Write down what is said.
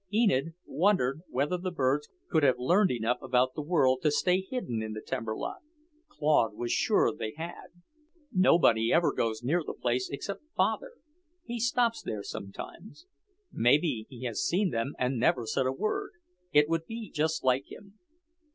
Enid wondered whether the birds could have learned enough about the world to stay hidden in the timber lot. Claude was sure they had. "Nobody ever goes near the place except Father; he stops there sometimes. Maybe he has seen them and never said a word. It would be just like him."